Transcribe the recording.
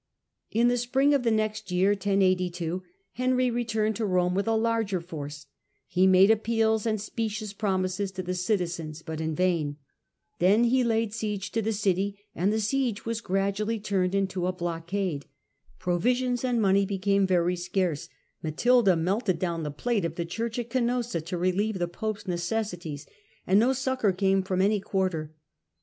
In the spring of the next year, Henry returned to Digitized by VjOOQIC 148 HiLDEBRAND Rome with a larger force ; he made appeals and specious promises to the citizens, but in vain; then he laid His second sicge to the city, and the siege was gradually attack, 1082 tumed iuto a blockade. Provisions and money became very scarce. Matilda melted down the plate of the church at Canossa to relieve the pope's necessities, and no succour came from any quarter.